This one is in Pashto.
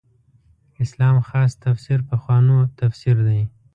اسلام خاص تفسیر پخوانو تفسیر دی.